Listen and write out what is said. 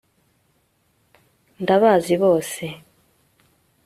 ndabazi bose